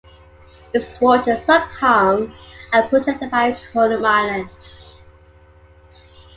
Its waters are calm and protected by Colom Island.